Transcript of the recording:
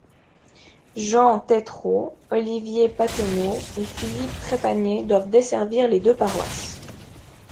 Jean Tétreault, Olivier Patenaude et Philippe Trépanier doivent desservir les deux paroisses.